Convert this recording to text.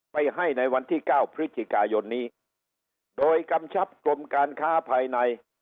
ไปให้ในวันที่เก้าพฤศจิกายนนี้โดยกำชับกรมการค้าภายใน